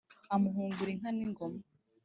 Amuhungura inka n’ingoma,